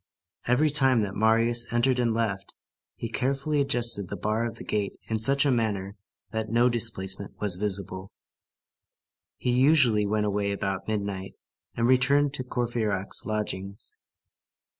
Every time that Marius entered and left, he carefully adjusted the bar of the gate in such a manner that no displacement was visible. He usually went away about midnight, and returned to Courfeyrac's lodgings.